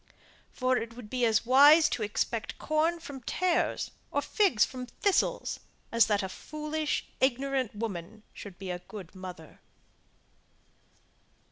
For it would be as wise to expect corn from tares, or figs from thistles, as that a foolish ignorant woman should be a good mother.